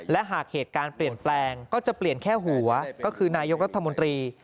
และหากเหตุการณ์เปลี่ยนแปลงก็จะเปลี่ยนแค่หัวก็คือนายกรัฐมนตรี